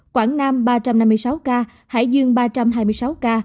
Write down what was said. quảng nam ba trăm năm mươi sáu ca hải dương ba trăm hai mươi sáu ca